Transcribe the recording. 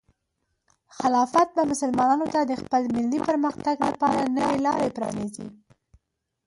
خلافت به مسلمانانو ته د خپل ملي پرمختګ لپاره نوې لارې پرانیزي.